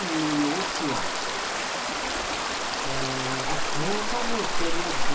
あっ、農作業をしているようですね。